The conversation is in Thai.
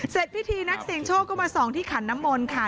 เสร็จพิธีนักเสียงโชคก็มาส่องที่ขันน้ำมนต์ค่ะ